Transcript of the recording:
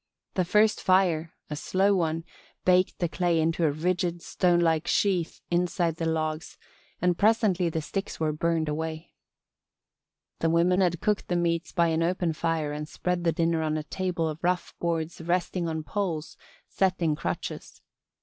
The first fire a slow one baked the clay into a rigid stonelike sheath inside the logs and presently the sticks were burned away. The women had cooked the meats by an open fire and spread the dinner on a table of rough boards resting on poles set in crotches.